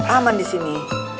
aman di sini